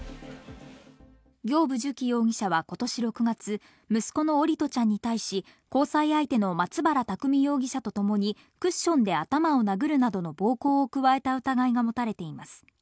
行歩寿希容疑者は今年６月、息子の桜利斗ちゃんに対し、交際相手の松原拓海容疑者とともにクッションで頭を殴るなどの暴行を加えた疑いが持たれています。